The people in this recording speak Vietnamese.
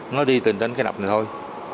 nó đi tình tình cái đập này thôi